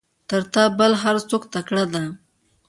تر تا بل هر څوک تکړه ده.